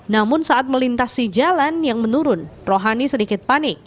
namun saat melintasi jalan yang menurun rohani sedikit panik